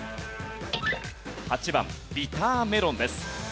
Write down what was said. ８番ビターメロンです。